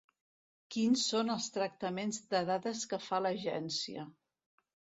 Quins són els tractaments de dades que fa l'Agència.